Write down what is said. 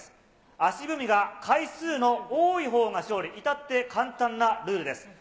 足踏みが回数の多いほうが勝利、いたって簡単なルールです。